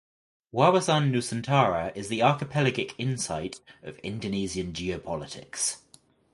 Wawasan Nusantara is the archipelagic insight of Indonesian geopolitics.